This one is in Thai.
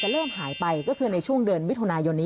จะเริ่มหายไปก็คือในช่วงเดือนวิธนโยนิ